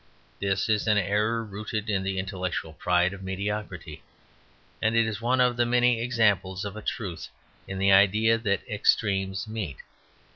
This is an error rooted in the intellectual pride of mediocrity; and is one of the many examples of a truth in the idea that extremes meet.